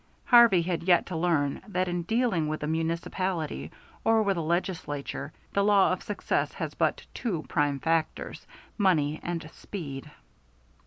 Harvey had yet to learn that in dealing with a municipality or with a legislature, the law of success has but two prime factors, money and speed.